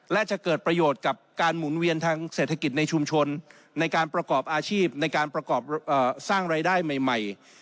และจะเกิดประโยชน์กับการหมุนเวียนทางเศรษฐกิจในชุมชนในการประกอบอาชีพในการประกอบสร้างรายได้ใหม่